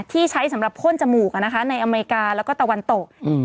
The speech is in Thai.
ที่ใช้สำหรับพ่นจมูกในอเมริกาแล้วก็ตะวันตก